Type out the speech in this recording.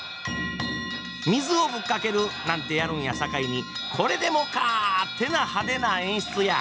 水をぶっかけるなんてやるんやさかいにこれでもかってな派手な演出や。